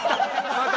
また！？